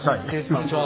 こんにちは。